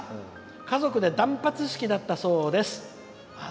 家族で断髪式だったそうです。